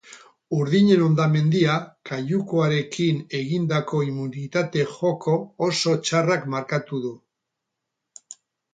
Urdinen hondamendia kaiukoarekin egindako immunitate-joko oso txarrak markatu du.